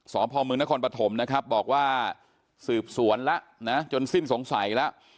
สพมนครปฐมนะครับบอกว่าสืบสวนแล้วนะจนสิ้นสงสัยแล้ว